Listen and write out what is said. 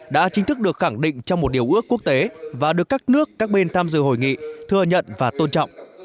đã chính thức được khẳng định trong một điều ước quốc tế và được các nước các bên tham dự hội nghị thừa nhận và tôn trọng